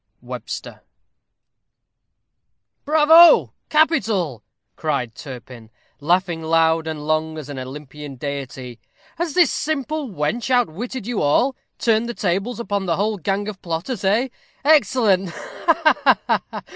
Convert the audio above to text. WEBSTER. "Bravo! capital!" cried Turpin, laughing loud and long as an Olympian deity; "has this simple wench outwitted you all; turned the tables upon the whole gang of plotters, eh? Excellent! ha, ha, ha!